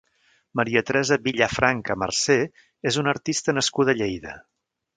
Maria Teresa Villafranca Mercé és una artista nascuda a Lleida.